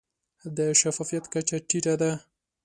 د شفافیت کچه ټیټه ده.